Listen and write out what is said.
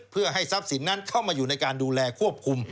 เพื่อให้ทรัพย์สินนั้นเข้ามาอยู่ในการดูแลควบคุม